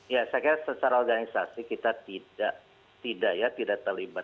ya saya kira secara organisasi kita tidak terlibat